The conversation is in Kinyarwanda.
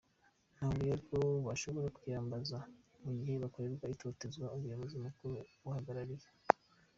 Ntawe rero bashobora kwiyambaza mu gihe bakorerwa itotezwa umuyobozi mukuru abahagarikiye.